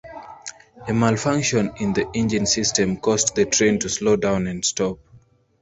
A malfunction in the engine system caused the train to slow down and stop.